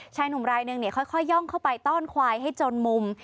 ชายหนุ่มรายนึงเนี่ยค่อยย่องคอไปต้อนควายให้จนมุม